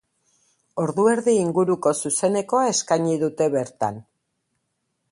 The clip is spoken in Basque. Ordu erdi inguruko zuzenekoa eskaini dute bertan.